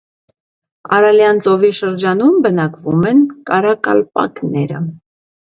Արալյան ծովի շրջանում բնակվոմ են կարակալպակներ։